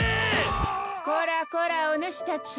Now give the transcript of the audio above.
・こらこらおぬしたち。